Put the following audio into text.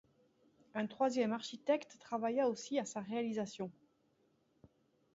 Un troisième architecte travailla aussi à sa réalisation.